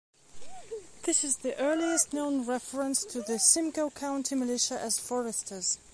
This is the earliest known reference to the Simcoe County militia as Foresters.